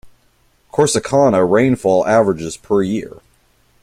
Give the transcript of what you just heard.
Corsicana rainfall averages per year.